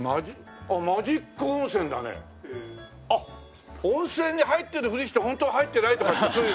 あっ温泉に入ってるふりしてホントは入ってないとかってそういう。